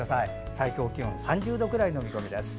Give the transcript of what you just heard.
最高気温は３０度くらいの予想です。